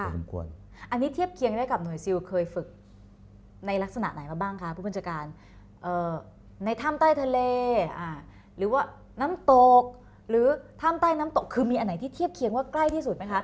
อันนี้เทียบเคียงได้กับหน่วยซิลเคยฝึกในลักษณะไหนมาบ้างคะผู้บัญชาการในถ้ำใต้ทะเลหรือว่าน้ำตกหรือถ้ำใต้น้ำตกคือมีอันไหนที่เทียบเคียงว่าใกล้ที่สุดไหมคะ